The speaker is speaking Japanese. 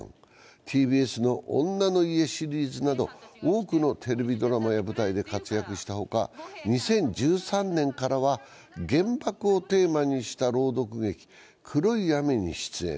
ＴＢＳの「おんなの家」シリーズなど多くのテレビドラマや舞台で活躍したほか、２０１３年からは原爆をテーマにした朗読劇「黒い雨」に出演。